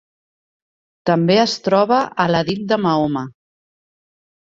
També es troba al hadit de Mahoma.